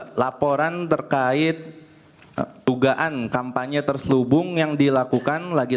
kedua laporan terkait tugaan kampanye terselubung yang dilakukan oleh dkpp yang mulia